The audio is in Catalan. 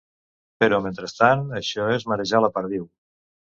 Però mentrestant això és marejar la perdiu.